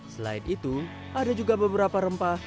selain itu ada juga beberapa rempah